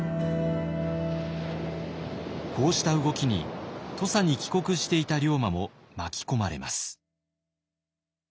こうした動きに土佐に帰国していた龍馬も巻き込まれます。